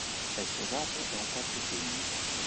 È sposato e ha quattro figli.